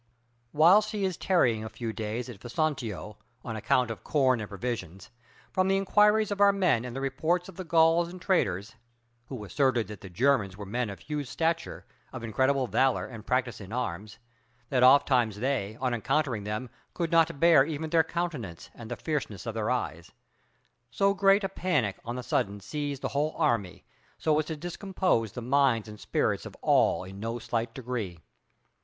Whilst he is tarrying a few days at Vesontio, on account of corn and provisions; from the inquiries of our men and the reports of the Gauls and traders (who asserted that the Germans were men of huge stature, of incredible valor and practice in arms, that ofttimes they, on encountering them, could not bear even their countenance and the fierceness of their eyes), so great a panic on a sudden seized the whole army, as to discompose the minds and spirits of all in no slight degree.